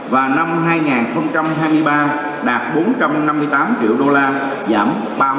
và năm hai nghìn hai mươi ba đạt bốn trăm năm mươi tám triệu đô la giảm ba